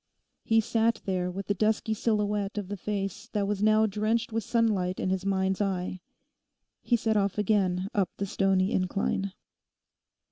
He sat there with the dusky silhouette of the face that was now drenched with sunlight in his mind's eye. He set off again up the stony incline.